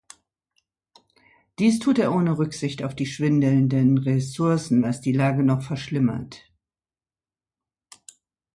Dies tut er ohne Rücksicht auf die schwindenden Ressourcen, was die Lage noch verschlimmert.